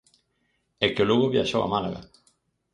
E que o Lugo viaxou a Málaga.